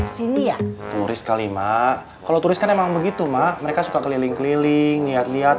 kesini ya turis kali mah kalau turis kan emang begitu mah mereka suka keliling keliling lihat lihat